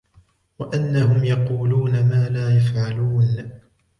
وأنهم يقولون ما لا يفعلون